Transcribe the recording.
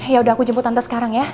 yaudah aku jemput tante sekarang ya